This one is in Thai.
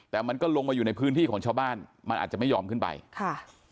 แต่มันก็ลงมาอยู่ในพื้นที่ของชาวบ้านมันอาจจะไม่ยอมขึ้นไปค่ะ